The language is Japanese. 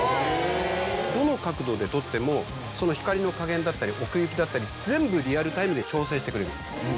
どの角度で撮ってもその光の加減だったり奥行きだったり全部リアルタイムで調整してくれる。